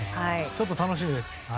ちょっと楽しみです。